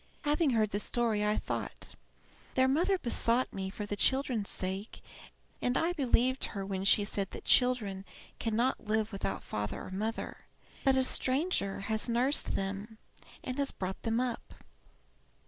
Having heard the story, I thought, 'Their mother besought me for the children's sake, and I believed her when she said that children cannot live without father or mother; but a stranger has nursed them, and has brought them up.'